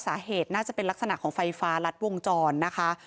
สาเหตุน่าจะเป็นลักษณะของไฟฟ้ารัดวงจรนะคะ